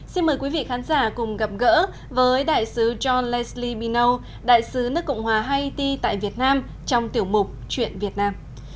xin mời quý vị khán giả cùng gặp gỡ với đại sứ john lensly binow đại sứ nước cộng hòa haiti tại việt nam trong tiểu mục chuyện việt nam